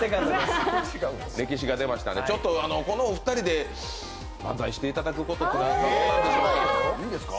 歴史が出ましたね、このお二人で漫才していただくことってできないでしょうか。